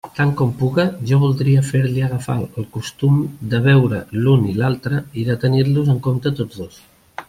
Tant com puga, jo voldria fer-li agafar el costum de veure l'un i l'altre i de tenir-los en compte tots dos.